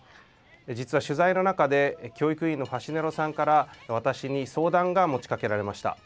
実は取材の中で教育委員のファシネロさんから私に相談が持ちかけられました。